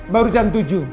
baru jam tujuh